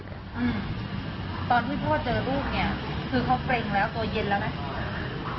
ตอนที่พ่อเจอลูกเนี่ยคือเค้าเฟรงแล้วตัวเย็นแล้วนะ